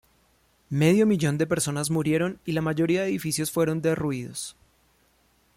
Medio millón de personas murieron y la mayoría de edificios fueron derruidos.